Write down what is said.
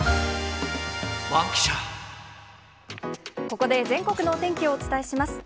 ここで、全国のお天気をお伝えします。